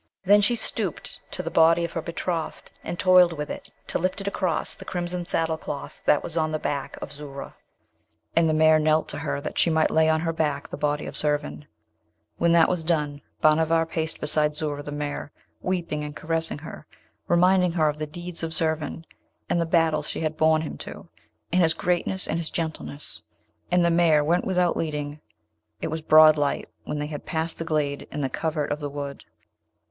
Then she stooped to the body of her betrothed, and toiled with it to lift it across the crimson saddle cloth that was on the back of Zoora; and the mare knelt to her, that she might lay on her back the body of Zurvan; when that was done, Bhanavar paced beside Zoora the mare, weeping and caressing her, reminding her of the deeds of Zurvan, and the battles she had borne him to, and his greatness and his gentleness. And the mare went without leading. It was broad light when they had passed the glade and the covert of the wood.